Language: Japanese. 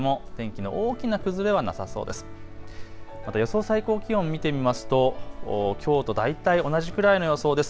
また予想最高気温を見てみますときょうと大体同じくらいの予想です。